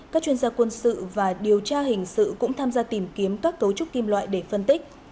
các chuyên gia quân sự và điều tra hình sự cũng tham gia tìm kiếm các cấu trúc kim loại để phân tích